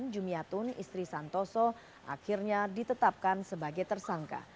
jumiatun istri santoso akhirnya ditetapkan sebagai tersangka